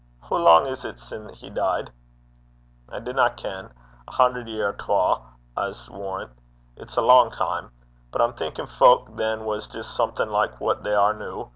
'Hoo lang is 't sin he deid?' 'I dinna ken. A hunner year or twa, I s' warran'. It's a lang time. But I'm thinkin' fowk than was jist something like what they are noo.